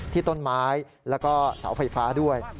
ที่ต้นไม้แล้วก็เสาไฟฟ้าด้วย